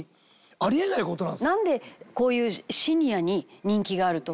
あり得ない事なんですよ。